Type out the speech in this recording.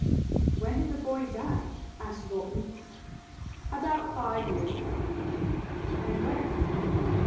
"When did the boy die?" asked Bolton. "About five years ago." "And where?"